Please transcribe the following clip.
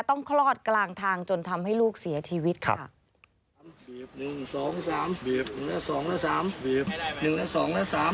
ต้องคลอดกลางทางจนทำให้ลูกเสียชีวิตค่ะครับหนึ่งสองสามหนึ่งแล้วสองแล้วสาม